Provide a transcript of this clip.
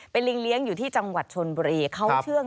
เป็นลิงเลี้ยงอยู่ที่จังหวัดชนบุรีเขาเชื่อง